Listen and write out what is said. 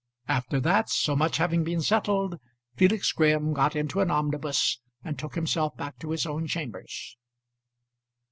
After that, so much having been settled, Felix Graham got into an omnibus and took himself back to his own chambers.